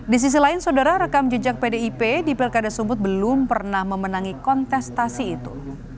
di sisi lain saudara rekam jejak pdip di pilkada sumut belum pernah memenangi kontestasi itu